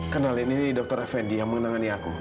kenalin ini dokter effendi yang menangani aku